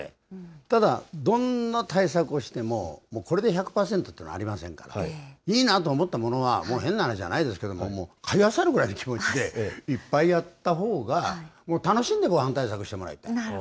ただどんな対策をしても、これで１００％というのはありませんから、いいなと思ったものは、もう変な話じゃないですけれども、買いあさるくらいの気持ちでいっぱいやったほうが、もう楽しんで防犯対策してもらいたい。